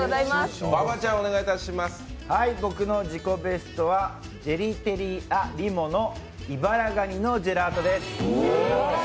僕の自己ベストはジェラテリアＲｉｍｏのイバラガニのジェラートです。